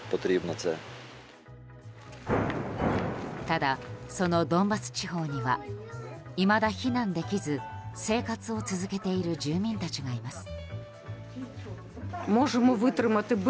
ただ、そのドンバス地方にはいまだ避難できず生活を続けている住民たちがいます。